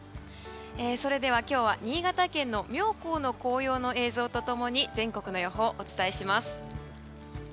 それでは今日は新潟県の妙高の紅葉の映像と共に全国の予報をお伝えします。